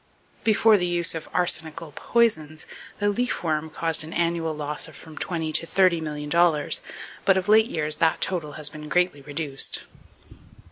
Before the use of arsenical poisons, the leaf worm caused an annual loss of from twenty to thirty million dollars; but of late years that total has been greatly reduced.